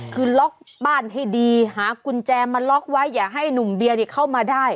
คือล็อกบ้านให้ดีหากุญแจมาล็อกไว้อย่าให้หนุ่มเบียร์เข้ามาได้